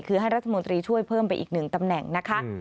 คือให้รัฐมนตรีช่วยเพิ่มไปอีกหนึ่งตำแหน่งนะคะ